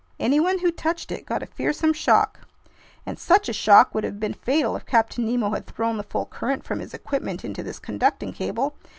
Anyone who touched it got a fearsome shock—and such a shock would have been fatal if Captain Nemo had thrown the full current from his equipment into this conducting cable!